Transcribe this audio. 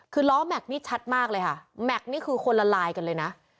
คือล้อแม็กซ์นี่ชัดมากเลยค่ะแม็กซ์นี่คือคนละลายกันเลยนะ